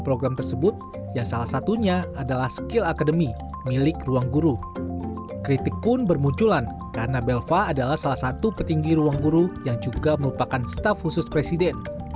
program kartu prakerja sendiri adalah program pemerintah untuk menyiapkan sumber daya manusia sesuai kebutuhan dunia kerja yang memiliki bentuk pelatihan online dan tatap buka